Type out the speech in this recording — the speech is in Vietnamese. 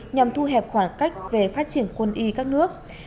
nhằm thu hẹp khoảng cách về phát triển quân y các nước